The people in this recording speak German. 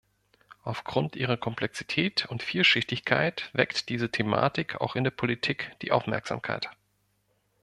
Aufgrund ihrer Komplexität und Vielschichtigkeit weckt diese Thematik auch in der Politik die Aufmerksamkeit.